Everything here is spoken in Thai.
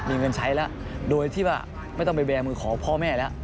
มีเงินใช้แล้วโดยที่ว่าไม่ต้องไปแบร์มือขอพ่อแม่แล้ว